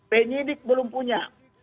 penyidik belum punya